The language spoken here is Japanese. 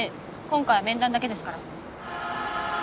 今回は面談だけですから。